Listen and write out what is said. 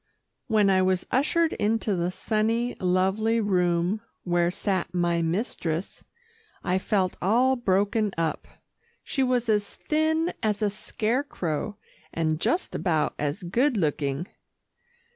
When I was ushered into the sunny, lovely room where sat my mistress, I felt all broken up. She was as thin as a scarecrow, and just about as good looking.